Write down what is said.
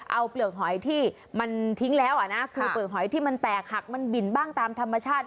เอาเปลือกหอยที่มันทิ้งแล้วอ่ะนะคือเปลือกหอยที่มันแตกหักมันบิ่นบ้างตามธรรมชาติ